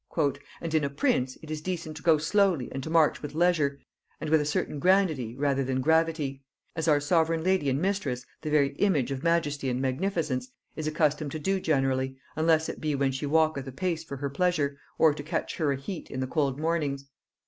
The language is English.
"And in a prince it is decent to go slowly and to march with leisure, and with a certain grandity rather than gravity; as our sovereign lady and mistress, the very image of majesty and magnificence, is accustomed to do generally, unless it be when she walketh apace for her pleasure, or to catch her a heat in the cold mornings.